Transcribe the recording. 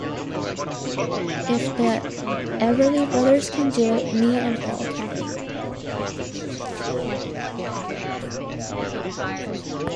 If the Everly Brothers can do it, me and Paul can.